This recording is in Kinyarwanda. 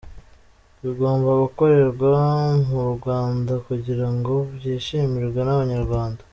Bigomba gukorerwa mu Rwanda kugira ngo byishimirwe n’Abanyarwanda.